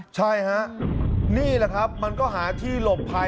ใช่ฮะนี่แหละครับมันก็หาที่หลบภัย